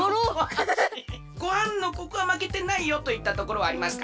ごはんのここはまけてないよといったところはありますか？